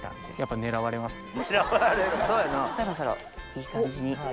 そろそろいい感じに。